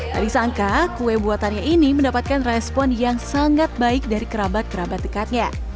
tak disangka kue buatannya ini mendapatkan respon yang sangat baik dari kerabat kerabat dekatnya